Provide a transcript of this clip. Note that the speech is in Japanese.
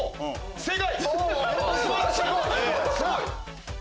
正解！